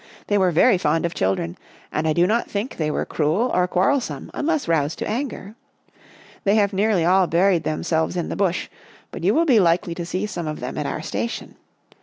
They were very fond of children and I do not think they were cruel or quarrelsome unless roused to anger. They have nearly all buried themselves in the Bush, but you will be likely to see some of them at our station.